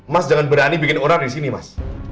mas jangan berani bikin orang di sini mas